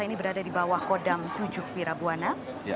ini berada di bawah kodam tujuh pirabuana